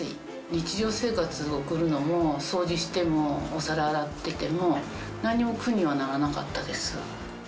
日常生活送るのも掃除してもお皿洗ってても何も苦にはならなかったです。